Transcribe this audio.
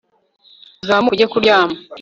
uzamuke ujye kuryama